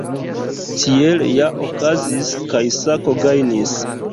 Tiel ja okazis, kaj Sako gajnis.